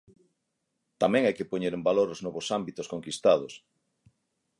Tamén hai que poñer en valor os novos ámbitos conquistados.